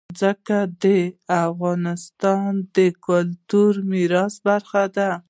ځمکه د افغانستان د کلتوري میراث برخه ده.